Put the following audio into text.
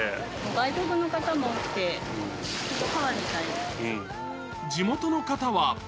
外国の方も多くて、ハワイみ地元の方は。